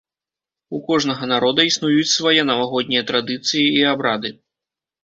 У кожнага народа існуюць свае навагоднія традыцыі і абрады.